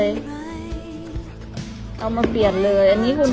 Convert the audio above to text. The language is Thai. ก็เอามาเปลี่ยนเลย